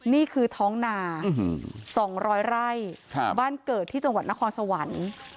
นี่คือท้องนา๒๐๐ไร่บ้านเกิดที่จังหวัดนครสวรรค์